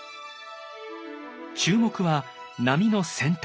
注目は波の先端。